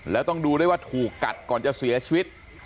แล้วต้องดูด้วยว่าถูกกัดก่อนจะเสียชีวิต